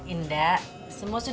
ini dari gimana